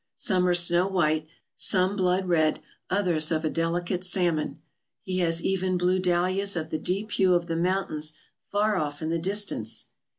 Some are snow white, some blood red, others of a delicate salmon. He has even blue dahlias of the deep hue of the mountains far off in the distance.